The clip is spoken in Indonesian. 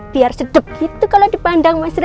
biar sedap gitu kalau dipandang mas randy